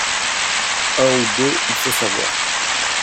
un ou deux il faut savoir.